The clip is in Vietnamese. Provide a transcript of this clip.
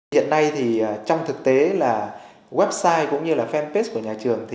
hiện nay trong thực tế website cũng như fanpage của nhà trường